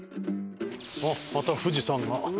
あっまた富士山が。